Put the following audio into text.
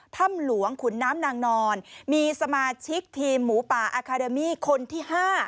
ถ้ำหลวงขุนน้ำนางนอนมีสมาชิกทีมหมูป่าอาคาเดมี่คนที่๕